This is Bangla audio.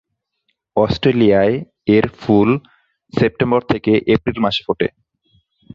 অস্ট্রেলিয়ায় এর ফুল সেপ্টেম্বর থেকে এপ্রিল মাসে ফোটে।